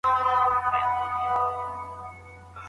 د مطالعې چاپیریال باید ارام وي.